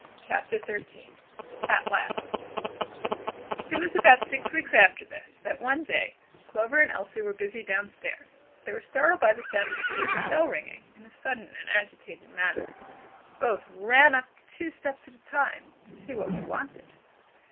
CHAPTER XIII AT LAST It was about six weeks after this, that one day, Clover and Elsie were busy down stairs, they were startled by the sound of Katy's bell ringing in a sudden and agitated manner. Both ran up two steps at a time, to see what was wanted.